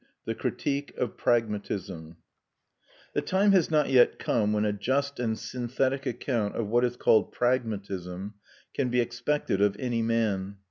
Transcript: THE CRITIQUE OF PRAGMATISM The time has not yet come when a just and synthetic account of what is called pragmatism can be expected of any man.